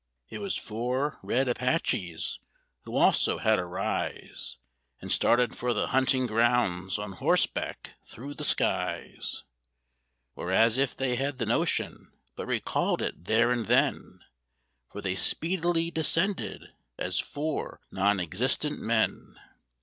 It was four red Apaches who also had a rise, And started for the hunting grounds on horseback thro' the skies; Or as if they had the notion, but recalled it there and then, For they speedily descended as four non existent men.